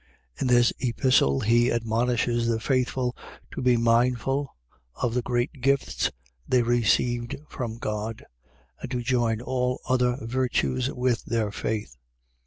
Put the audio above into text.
In this Epistle he admonishes the faithful to be mindful of the great gifts they received from God and to join all other virtues with their faith.